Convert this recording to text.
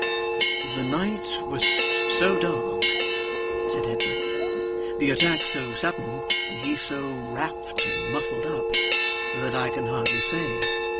'The night was so dark,' said Edward, 'the attack so sudden, and he so wrapped and muffled up, that I can hardly say.